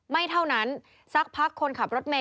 ไม่เท่านั้นสักพักคนขับรถเมย